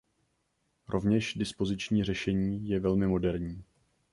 Rovněž dispoziční řešení je velmi moderní.